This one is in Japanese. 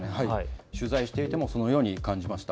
取材していても、そのように感じました。